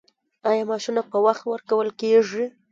آیا معاشونه په وخت ورکول کیږي؟